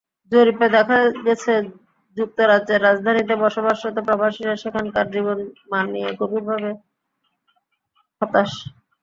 জরিপে দেখা গেছে, যুক্তরাজ্যের রাজধানীতে বসবাসরত প্রবাসীরা সেখানকার জীবনমান নিয়ে গভীরভাবে হতাশ।